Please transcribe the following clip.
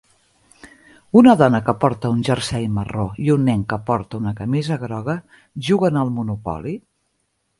Una dona que porta un jersei marró i un nen que porta una camisa groga juguen al monopoli.